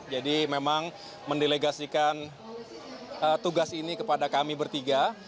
jadi memang mendelegasikan tugas ini kepada kami bertiga